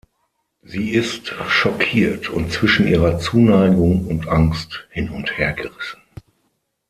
Sie ist schockiert und zwischen ihrer Zuneigung und Angst hin- und hergerissen.